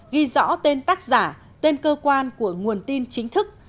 ghi rõ tên tác giả tên cơ quan của nguồn tin chính thức